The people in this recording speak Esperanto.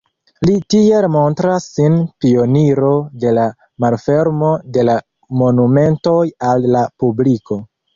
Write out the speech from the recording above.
Li tiel montras sin pioniro de la malfermo de la monumentoj al la publiko.